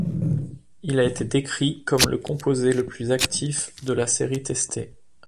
Il a été décrit comme le composé le plus actif de la série testée.